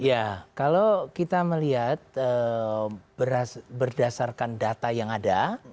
ya kalau kita melihat berdasarkan data yang ada